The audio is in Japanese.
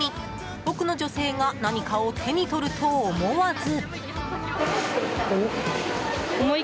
奥の女性が何かを手に取ると思わず。